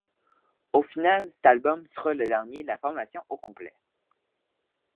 Au final, cet album sera le dernier de la formation au complet.